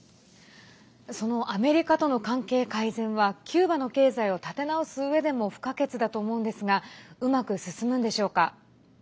そのアメリカとの関係改善はキューバの経済を立て直すうえでも不可欠だと思うんですがうまく進むんでしょうか。